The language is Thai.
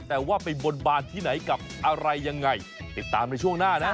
แต่ว่าไปบนบานที่ไหนกับอะไรยังไงติดตามในช่วงหน้านะ